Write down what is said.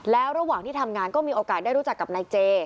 แล้วระหว่างที่ทำงานก็มีโอกาสได้รู้จักกับนายเจ